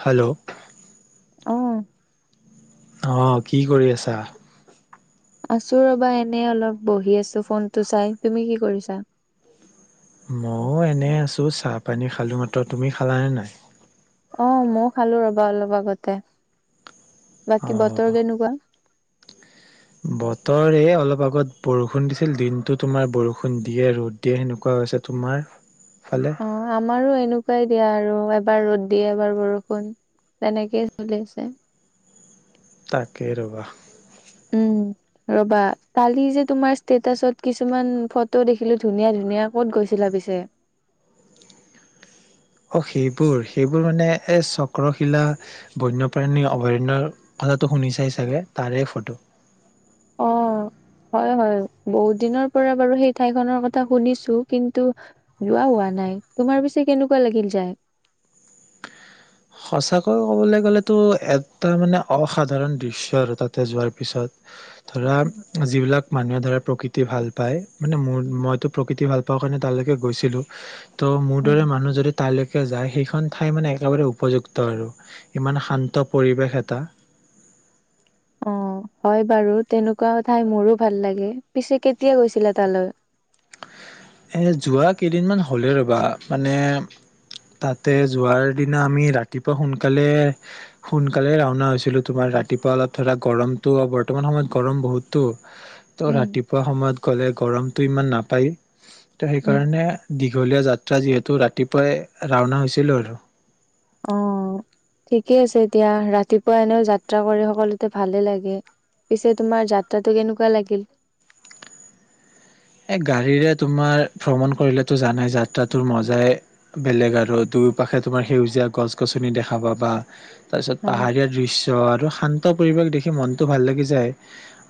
Hello অ' অ কি কৰি আছা আছো ৰবা এনে অলপ বহি আছো ফোনটো চাই তুমি কি কৰিছা মও এনেই আছোঁ চাহপানী খালোঁ মাত্ৰ তুমি খালা নে নাই অ মও খালো ৰবা অলপ আগতে অ বাকী বতৰ কেনেকুৱা বতৰে অলপ আগত বৰষুণ দিছিল দিনটো তোমাৰ বৰষুণ দিয়ে ৰ'দ দিয়ে সেনেকুৱা হৈছে তোমাৰ ফালে অ আমাৰো এনেকুৱাই দিয়া আৰু এবাৰ ৰ'দ দিয়ে এবাৰ বৰষুণ তেনেকেই চলি আছে তাকে ৰবা উম ৰবা কালি যে তোমাৰ ষ্টেটাচত কিছুমান ফটো দেখিলো ধুনীয়া ধুনীয়া ক'ত গৈছিলা পিছে অঁ সেইবোৰ সেইবোৰ মানে এই চক্ৰশিলা বন্যপ্ৰাণী অভয়াৰণ্যৰ কথাটো শুনি চাই চাগে তাৰে ফটো আহ হয় হয় বহুত দিনৰ পৰা বাৰু সেই ঠাইখনৰ কথা শুনিছো কিন্তু যোৱা হোৱা নাই তোমাৰ পিছে কেনেকুৱা লাগিল যায় সঁচাকৈ ক'বলে গ'লেতো এটা মানে অসাধাৰণ দৃশ্য আৰু তাতে যোৱাৰ পিছত ধৰা যিবিলাক মানুহে ধৰা প্ৰকৃতি ভাল পায় মানে মোৰ মইতো প্ৰকৃতি ভাল পাওঁ কাৰণে তালেকে গৈছিলোঁ ত মোৰ উম দৰে মানুহ যদি তালৈ কে যায় সেইখন ঠাই মানে একেবাৰে উপযুক্ত আৰু ইমান শান্ত পৰিৱেশ এটা অ হয় বাৰু তেনেকুৱা ঠাই মোৰো ভাল লাগে পিছে কেতিয়া গৈছিলা তালৈ এ যোৱা কেইদিনমান হ'লেই ৰ'বা মানে তাতে যোৱাৰ দিনা আমি ৰাতিপুৱা সোনকালে সোনকালে ৰাওনা হৈছিলো তোমাৰ ৰাতিপুৱা অলপ ধৰা গৰমটো বৰ্তমান সময়ত গৰম বহুত টো ত' উম ৰাতিপুৱা সময়ত ক'লে গৰমটো ইমান নাপায় ত' উম সেইকাৰণে দীঘলীয়া যাত্ৰা যিহেতু ৰাতিপুৱাই ৰাওনা হৈছিলোঁ আৰু অ ঠিকে আছে দিয়া ৰাতিপুৱা এনেও যাত্ৰা কৰি সকলোতে ভালে লাগে পিছে তোমাৰ যাত্ৰাটো কেনেকুৱা লাগিল গাড়ীৰে তোমাৰ ভ্ৰমণ কৰিলেতো জানাই যাত্ৰাটোৰ মজাই বেলেগ আৰু দুয়োপাশে তোমাৰ সেউজীয়া গছ গছনি দেখা পাবা তাৰ পিছত হয় পাহাৰীয়া দৃশ্য আৰু শান্ত পৰিৱেশ দেখি মনটো ভাল লাগি যায়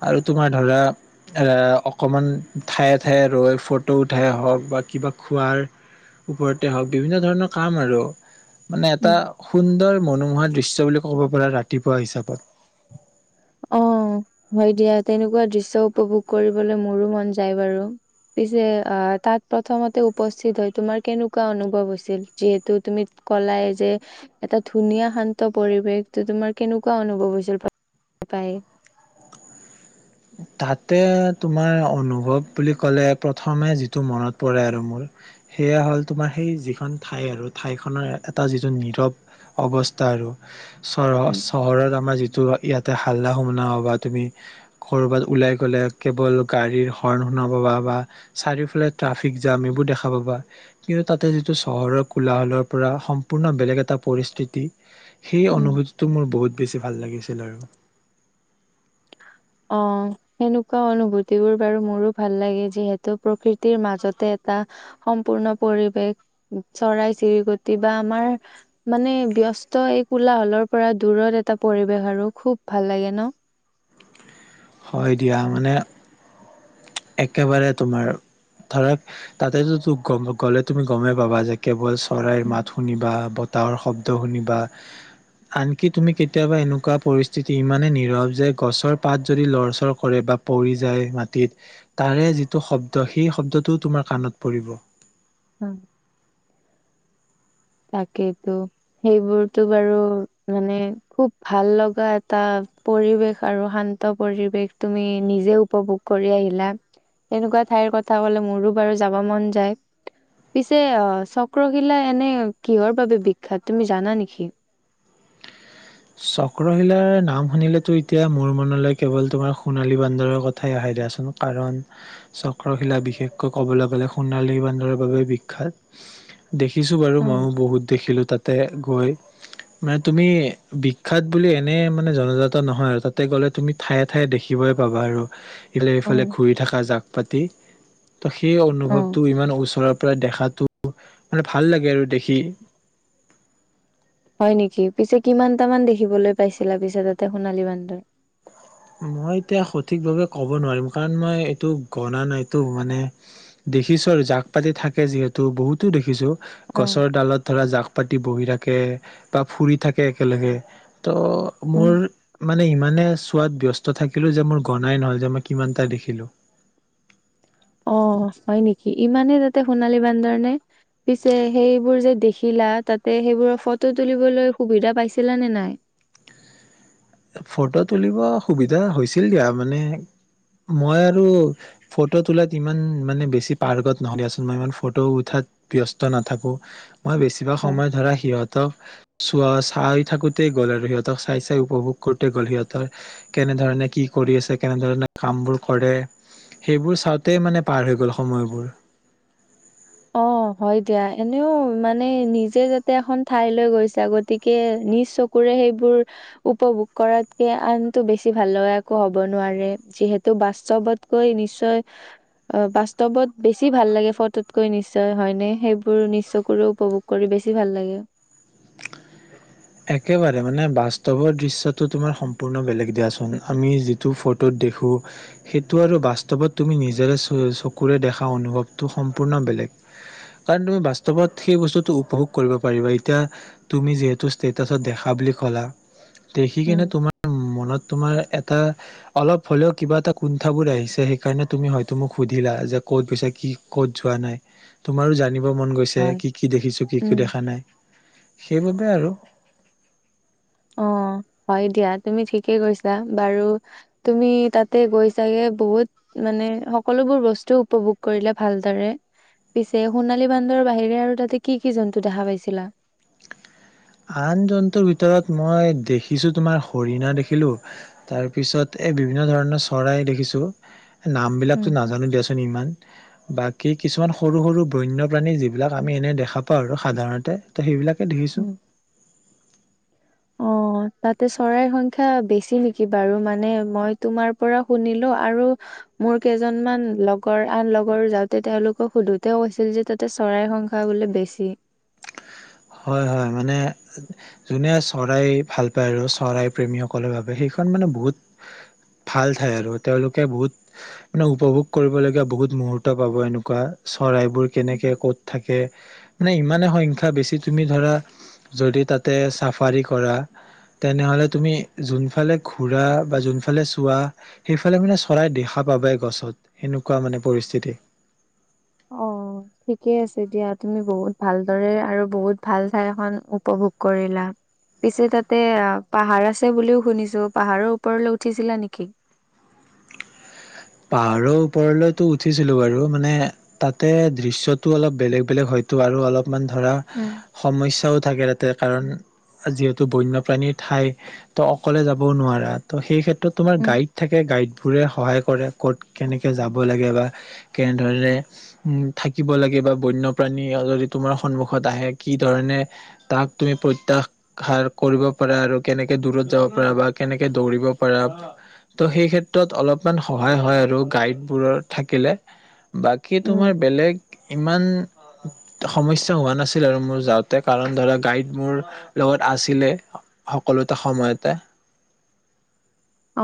আৰু তোমাৰ ধৰা আ অকমান ঠায়ে ঠায়ে ৰৈ ফটো উঠাই হওঁক বা কিবা খোৱাৰ ওপৰতে হওঁক বিভিন্ন ধৰণৰ কাম আৰু মানে উম এটা সুন্দৰ মনোমোহা দৃশ্য বুলি ক'ব পাৰা ৰাতিপুৱা হিচাপত অ হয় দিয়া তেনেকুৱা দৃশ্য উপভোগ কৰিবলৈ মোৰো মন যায় বাৰু পিছে আহ তাত প্ৰথমতে উপস্থিত হয় তোমাৰ কেনেকুৱা অনুভৱ হৈছিল যিহেতু তুমি কলাই যে এটা ধুনীয়া শান্ত পৰিৱেশ তো তোমাৰ কেনেকুৱা অনুভৱ হৈছিল পায় তাতে তোমাৰ অনুভৱ বুলি ক'লে প্ৰথমে যিটো মনত পৰে আৰু মোৰ সেয়া হ'ল তোমাৰ সেই যিখন ঠাই আৰু ঠাইখনৰ এটা যিটো নীৰৱ অৱস্থা আৰু চ উম চহৰত আমাৰ যিটো ইয়াতে হাল্লা সোমনা অবাত তুমি ক'ৰবাত ওলাই গ'লে কেৱল গাড়ীৰ হৰ্ণ শুনা পাবা বা চাৰিওফালে ট্ৰাফিক জাম এইবোৰ দেখা পাবা কিন্তু তাতে যিটো চহৰৰ কোলাহলৰ পৰা সম্পূৰ্ণ বেলেগ এটা পৰিস্থিতি সেই উম অনুভূতিটো মোৰ বহুত বেছি ভাল লাগিছিল আৰু অ সেনেকুৱা অনুভূতিবোৰ বাৰু মোৰো ভাল লাগে যিহেতু প্ৰকৃতিৰ মাজতে এটা সম্পূৰ্ণ পৰিৱেশ চৰাই চিৰিকটি বা আমাৰ মানে ব্যস্ত এই কোলাহলৰ পৰা দূৰত এটা পৰিৱেশ আৰু খুব ভাল লাগে ন হয় দিয়া মানে একেবাৰে তোমাৰ ধৰক তাতেতোম গ'লে তুমি গমেই পাবা যে কেৱল চৰাইৰ উম মাত শুনিবা বতাহৰ শব্দ শুনিবা আনকি তুমি কেতিয়াবা এনেকুৱা পৰিস্থিতি ইমানে নীৰৱ যে গছৰ পাত যদি লৰচৰ কৰে বা পৰি যায় মাটিত তাৰে যিটো শব্দ সেই শব্দটোও তোমাৰ কাণত পৰিব হুম তাকেইেতো সেইবোৰতো বাৰু মানে খুব ভাল লগা এটা পৰিৱেশ আৰু শান্ত পৰিৱেশ তুমি নিজে উপভোগ কৰি আহিলা এনেকুৱা ঠাইৰ কথা কলে মোৰো বাৰু যাব মন যায় পিছে অ চক্ৰশিলা এনে কিহৰ বাবে বিখ্যাত তুমি জানা নেকি চক্ৰশিলাৰ নাম শুনিলেতো এতিয়া মোৰ মনলৈ কেৱল তোমাৰ সোণালী বান্দৰৰ কথাই আহে দিয়াচোন কাৰণ চক্ৰশিলা বিশেষকৈ ক'বলৈ গ'লে সোণালী বান্দৰৰ বাবে বিখ্যাত দেখিছোঁ বাৰু অ', ময়ো বহুত দেখিলোঁ তাত তে গৈ মানে তুমি বিখ্যাত বুলি এনে মানে জনজাত নহয় আৰু তাতে গ'লে তুমি ঠায়ে ঠায়ে দেখিবয়ই পাবা আৰু ইফালে সিফালে অ, ঘূৰি থকা যাক পাতি ত' সেই অনুভৱটো ইমান ওচৰত প্ৰায় দেখাটো মানে ভাল লাগে আৰু দেখি হয় নেকি পিছে কিমানটামান দেখিবলৈ পাইছিলা পিছে তাতে সোণালী বান্দৰ মই এতিয়া সঠিক ভাবে ক'ব নোৱাৰিম কাৰণ মই এইটো গনা নাইতটো মানে দেখিছো আৰু জাক পাতি থাকে যিহেতু বহুতো দেখিছো অ', গছৰ ডালত ধৰা জাক পাতি বহি থাকে বা ফুৰি থাকে একেলগে তো মোৰ মানে ইমানে খোৱাত ব্যস্ত থাকিলোঁ যে মোৰ গনাই নহ'ল যে মই কিমানটা দেখিলোঁ অ হয় নেকি ইমানেই তাতে সোণালী বান্দৰ নে পিছে সেইবোৰ যে দেখিলা তাতে সেইবোৰৰ ফটো তুলিবলৈ সুবিধা পাইছিলা নে নাই? ফটো তুলিব সুবিধা হৈছিল দিয়া মানে মই আৰু ফটো তোলাত ইমান মানে বেছি পাৰ্কত নহৰিচোন মই ইমান ফটো উঠাত ব্যস্ত নাথাকো মই বেছিভাগ সময় ধৰা সিহঁত সিহতক চোৱা চাই থাকোতেই গ'ল আৰু সিহঁতক চাই চাই উপভোগ কৰোতে গ'ল সিহঁতৰ কেনেধৰণে কি কৰি আছে কেনেধৰণে কামবোৰ কৰে সেইবোৰ চাওঁতে মানে পাৰ হৈ গ'ল সময়বোৰ অ হয় দিয়া এনেও মানে নিজে যাতে এখন ঠাইলৈ গৈছা গতিকে নিজ চকুৰে সেইবোৰ উপভোগ কৰাতকে আনটো বেছি ভাল লগা একো হব নোৱাৰে যিহেতু বাস্তৱত গৈ নিশ্চয় অ বাস্তৱত বেছি ভাল লাগে ফটো তকৈ নিশ্চয় হয়নে সেইবোৰ নিচ চকুৰে উপভোগ কৰি বেছি ভাল লাগে একেবাৰে মানে বাস্তৱৰ দৃশ্যটো তোমাৰ সম্পূৰ্ণ বেলেগ দিয়াচোন আমি যিটো ফটোত দেখো সেইটো আৰু বাস্তৱত তুমি নিজেৰে চকুৰে দেখা অনুভৱটো সম্পূৰ্ণ বেলেগ কাৰণ তুমি বাস্তৱত সেই বস্তুটো উপভোগ কৰিব পাৰিবা এতিয়া তুমি যিহেতু ষ্টেটাছত দেখা বুলি ক'লা দেখি উম, কিনে তোমাৰ মনত তোমাৰ এটা অলপ হলেও কিবা এটা কুণ্ঠ বোৰ আহিছে সেইকাৰণে তুমি হয় মোক সুধিলা যে ক'ত গুছা কি ক'ত যোৱা নাই তোমাৰো জানিব ৰ মন গৈছে হয়। কি কি দেখিছো কি কি উম, দেখা নাই সেইবাবে আৰু অ হয় দিয়া তুমি ঠিকেই কৈছা বাৰু তুমি তাতে গৈছাগে বহুত মানে সকলোবোৰ বস্তু উপভোগ কৰিলে ভালদৰে পিছে সোণালী বান্দৰৰ বাহিৰে আৰু তাতে কি কি জন্তু দেখা পাইছিলা আন জন্তুৰ ভিতৰত মই দেখিছো তোমাৰ হৰিণা দেখিলো তাৰ পিছত এই বিভিন্ন ধৰণৰ চৰাই দেখিছো নাম উম, বিলাকতো নাজানো দিয়াচোন ইমান বাকী কিছুমান সৰু সৰু বন্যপ্ৰাণী যিবিলাক আমি এনে দেখা পাওঁ আৰু সাধাৰণতে ত সেইবিলাক দেখিছোঁ উম। অ, তাতে চৰাইৰ সংখ্যা বেছি নেকি বাৰু, মানে মই তোমাৰ পৰা শুনিলো আৰু মোৰ কেইজনমান লগৰ আন লগৰ যাওঁতে তেওঁলোকক সোধোতে কৈছিল যে, তাতে চৰাইৰ সংখ্যা বোলে বেছি। হয়-হয়, মানে যোনে চৰাই ভাল পায় আৰু চৰাই প্ৰেমীসকলৰ বাবে সেইখন মানে বহুত ভাল ঠাই আৰু তেওঁলোকে বহুত মানে উপভোগ কৰিবলগীয়া বহুত মুহুৰ্ত পাব। এনেকুৱা চৰাইবোৰ কেনেকে ক'ত থাকে, মানে ইমানে সংখ্যা বেছি তুমি ধৰা যদি তাতে চাফাৰী কৰা তেনেহলে তুমি যোনফালে ঘুৰা বা যোনফালে চোৱা সেইফালে মানে চৰাই দেখা পাবাই, গছত সেনেকুৱা মানে পৰিস্থিতি। অ', ঠিকে আছে দিয়া, তুমি বহুত ভালদৰে আৰু বহুত ভাল ঠাইখন উপভোগ কৰিলা। পিছে তাতে পাহাৰ আছে বুলিও শুনিছো, পাহাৰৰ ওপৰলৈ উঠিছিলা নেকি? পাহাৰৰ ওপৰলৈতো উঠিছিলো বাৰু, মানে তাতে দৃশ্যটো অলপ বেলেগ-বেলেগ হয়তো আৰু অলপ মানে ধৰা, উম, সমস্যাও থাকে তাতে কাৰণ যিহেতু বন্যপ্ৰাণীৰ ঠাই ত অকলে যাবও নোৱাৰা ত সেই ক্ষেত্ৰত তোমাৰ উম। গাইড থাকে গাইড ফুৰে সহায় কৰে। ক'ত কেনেকে যাব লাগে বা কেনেধৰণে উম, থাকিব লাগে বা বন্যপ্ৰাণী যদি তোমাৰ সন্মুখত আহে কি ধৰণে তাক তুমি প্ৰত্যাহাৰ কৰিব পাৰা আৰু কেনেকে দূৰত যাব পাৰা বা কেনেকে দৌৰিব পাৰা ত' সেই ক্ষেত্ৰত অলপ। হয়-হয় আৰু গাইডবোৰত থাকিলে বাকী উম, তোমাৰ বেলেগ ইমান সমস্যা হোৱা নাছিল আৰু মোৰ যাওঁতে, কাৰণ ধৰা গাইড মোৰ লগত আছিলে সকলোতে সময়তে। অ,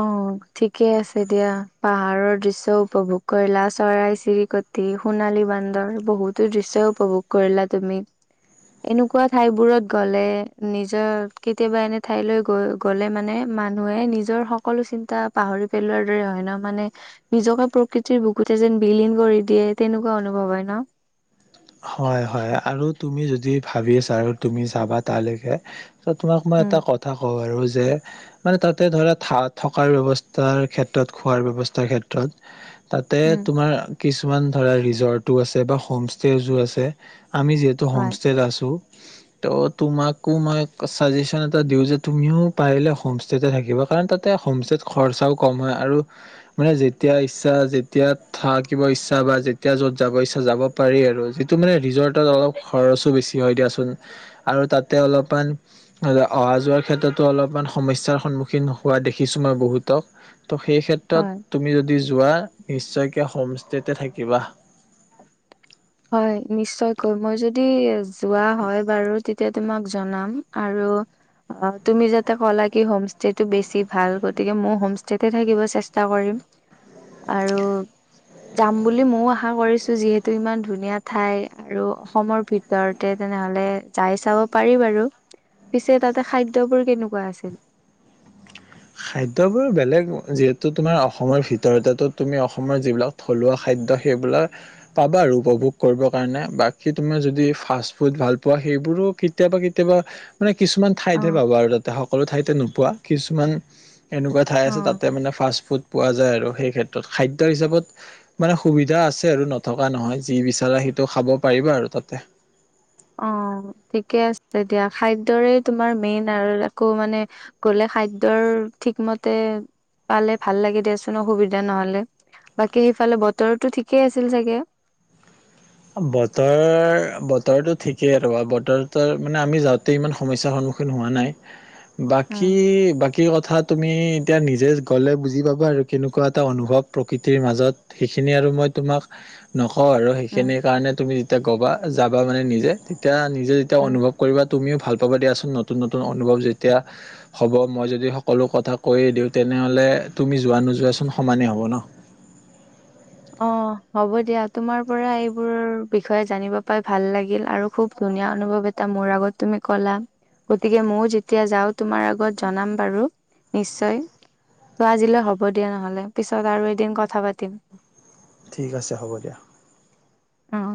ঠিকে আছে দিয়া, পাহাৰৰ দৃশ্য উপভোগ কৰিলা চৰাই-চিৰিকটি, সোণালী বান্দৰ বহুতো দৃশ্য উপভোগ কৰিলা তুমি, এনেকুৱা ঠাইবোৰত গলে নিজৰ কেতিয়াবা এনে ঠাইলৈ গ গলে মানে মানুহে নিজৰ সকলো চিন্তা পাহৰি পেলোৱাৰ দৰে হয় ন, মানে নিজকে প্ৰকৃতিৰ বুকুতে যেন বিলীন কৰি দিয়ে তেনেকুৱা অনুভৱ হয় ন? হয়-হয় আৰু তুমি যদি ভাবিছা আৰু তুমি যাবা তালৈকে ত তোমাক মই উম এটা কথা কওঁ আৰু যে মানে, তাতে ধৰা থকাৰ ব্যৱস্থাৰ ক্ষেত্ৰত, খোৱাৰ ব্যৱস্থাৰ ক্ষেত্ৰত তাতে উম তোমাৰ কিছুমান ধৰা ৰিজৰ্টটো আছে বা হোম ষ্টেউজো আছে। আমি যিহেতু হয় হোমষ্টেত আছোঁ। ত তোমাকো মই ছাজেশচন এটা দিও যে, তুমিও পাৰিলে হোমষ্টেতে থাকিবা। কাৰণ তাতে হোমষ্টত খৰচাও কম হয় আৰু মানে যেতিয়া ইচ্ছা, যেতিয়া থাকিব ইচ্ছা বা যেতিয়া য'ত যাব ইচ্ছা যাব পাৰি। আৰু যিটো মানে ৰিজৰ্টত অলপ খৰচো বেছি হয় দিয়াচোন, আৰু তাতে অলপমান অহা যোৱাৰ ক্ষেত্ৰতো অলপমান সমস্যাৰ সন্মুখীন হোৱা দেখিছো মই বহুতক। তো সেই হয় ক্ষেত্ৰত তুমি যদি যোৱা নিশ্চয়কে হোমষ্টেতে থাকিবা। হয় নিশ্চয়কৈ মই যদি যোৱা হয় বাৰু তেতিয়া তোমাক জনাম। আৰু তুমি যাতে কলা কি হোমষ্টেতে টো বেছি ভাল গতিকে ময়ো হোমষ্টতে থাকিব চেষ্টা কৰিম আৰু যাম বুলি মইয়ো আশা কৰিছো যিহেতু ইমান ধুনীয়া ঠাই আৰু অসমৰ ভিতৰতে তেনেহলে যাই চাব পাৰি বাৰু, পিছে তাতে খাদ্যবোৰ কেনেকুৱা আছিল? খাদ্যবোৰ বেলেগ, যিহেতু তোমাৰ অসমৰ ভিতৰতে তুমি অসমৰ যিবিলাক থলুৱা খাদ্যৰ সেইবিলাক পাবা আৰু উপভোগ কৰিব কাৰণে, বাকী তোমাৰ যদি ফাষ্ট ফুড ভাল পোৱা সেইবোৰো কেতিয়াবা-কেতিয়াবা মানে কিছুমান অ ঠাইতহে পাবা আৰু তাতে সকলো ঠাইতে নোপোৱা। পোৱা কিছুমান এনেকুৱা ঠাই আছে অ তাতে মানে ফাষ্ট ফুড পোৱা যায় আৰু সেই ক্ষেত্ৰত খাদ্যৰ হিচাপত মানে সুবিধা আছে আৰু নথকা নহয়, যি বিচাৰা সেইটো খাব পাৰিবা আৰু তাতে। অ, ঠিকে আছে তেতিয়া খাদ্যৰে তোমাৰ মেইন আৰু আকৌ মানে গ'লে খাদ্যৰ ঠিকমতে পালে ভাল লাগে দিয়াচোন অসুবিধা নহ'লে, বাকী সেইফালে বতৰতো ঠিকেই আছিল চাগে? বতৰ, বতৰটো ঠিকেই আৰু বতৰটো মানে, আমি যাওঁতে ইমান সমস্যাৰ সন্মুখীন হোৱা নাই। উম বাকী-বাকী কথাত তুমি এতিয়া নিজে গ'লে বুজি পাবা আৰু কেনেকুৱা এটা অনুভৱ প্ৰকৃতিৰ মাজত, সেইখিনি আৰু মই তোমাক নকওঁ আৰু। উম সেইখিনি কাৰণে তুমি তেতিয়া কবা যাবা মানে নিজে তেতিয়া নিজে যেতিয়া উম অনুভৱ কৰিবা তুমিও ভাল হ'ব দিয়াচোন নতুন নতুন অনুভৱ যেতিয়া হ'ব মই যদি সকলো কথা কৈয়ে দিওঁ তেনেহ'লে তুমি যোৱা নোযোৱাচোন সমানেই হ'ব ন। অ হ'ব দিয়া তোমাৰ পৰা এইবোৰ বিষয়ে জানিব পাই ভাল লাগিল আৰু খুব ধুনীয়া অনুভৱ এটা মোৰ আগত তুমি কলা গতিকে ময়ও যেতিয়া যাও তোমাৰ আগত জনাম বাৰু নিশ্চয় ত আজিলৈ হ'ব দিয়া নহলে পিছত আৰু এদিন কথা পাতিম ঠিক আছে হ'ব দিয়া অ